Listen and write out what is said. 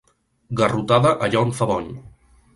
Garrotada allà on fa bony!